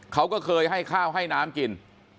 เขาก็เคยให้ข้าวให้น้ำกิน